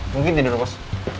mungkin tidak bos